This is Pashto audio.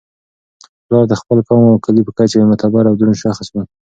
پلار د خپل قوم او کلي په کچه یو معتبر او دروند شخص وي.